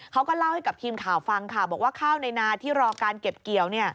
เขาก็เล่าให้กับทีมข่าวฟังค่ะบอกว่าข้าวในนาที่รอการเก็บเกี่ยว